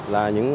là những tuyến